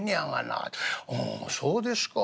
『ああそうですか？』。